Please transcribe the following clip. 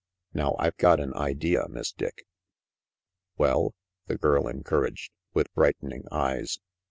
Now I've got an idea, Miss Dick." " Well?" the girl encouraged, vdth brightening eyes.